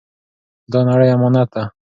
دا نړۍ امانت ده.